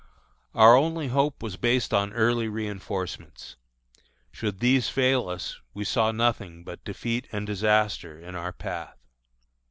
Our only hope was based on early reënforcements. Should these fail us we saw nothing but defeat and disaster in our path.